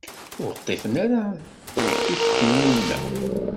Ur ṭṭifen ara tikt-nni-nneɣ.